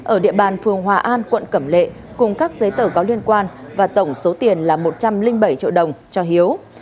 ở địa bàn phường hòa an quận cẩm lệ cùng các giấy tờ có liên quan và tổng số tiền là một trăm linh bảy triệu đồng cho hiếu